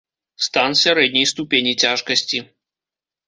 Стан сярэдняй ступені цяжкасці.